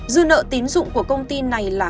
dư nợ tín dụng của công ty này là